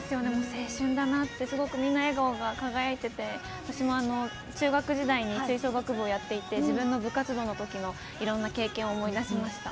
青春だなって、すごくみんな笑顔が輝いていて、中学時代に私も吹奏楽部をやっていて、自分の部活動のいろんな経験を思い出しました。